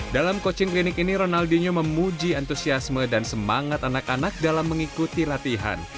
dalam coaching klinik ini ronaldinho memuji antusiasme dan semangat anak anak dalam mengikuti latihan